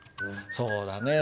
そうだね。